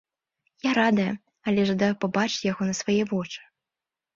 Я радая, але жадаю пабачыць яго на свае вочы.